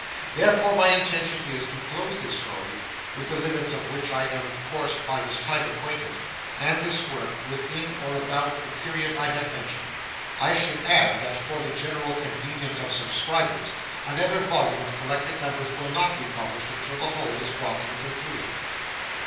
Therefore my intention is, to close this story (with the limits of which I am of course by this time acquainted) and this work, within, or about, the period I have mentioned. I should add, that for the general convenience of subscribers, another volume of collected numbers will not be published until the whole is brought to a conclusion.